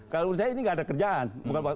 kalau menurut saya ini nggak ada kerjaan